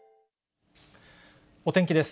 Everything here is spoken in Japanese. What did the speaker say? お天気です。